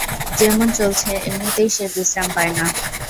যেমন চলছে, এমনিতেই সে বিশ্রাম পায় না।